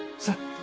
さあ。